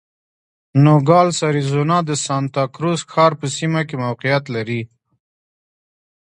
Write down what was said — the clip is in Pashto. نوګالس اریزونا د سانتا کروز ښار په سیمه کې موقعیت لري.